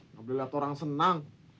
nggak boleh lihat orang senang